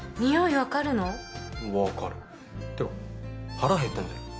分かるってか腹減ったんじゃない？